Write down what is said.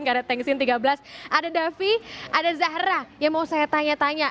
ada davi ada zahra yang mau saya tanya tanya